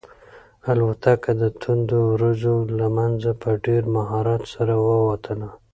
الوتکه د توندو وریځو له منځه په ډېر مهارت سره ووتله.